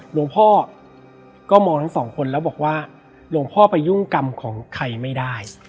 หลวงพ่อก็มองทั้งสองคนแล้วบอกว่าหลวงพ่อไปยุ่งกรรมของใครไม่ได้